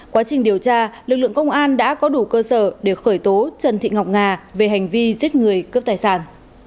quá trình điều tra lực lượng công an đã có đủ cơ sở để khởi tố trần thị ngọc nga về hành vi giết người cướp tài sản